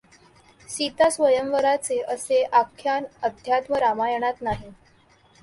सीता स्वयंवराचे असे आख्यान अध्यात्म रामायणात नाही.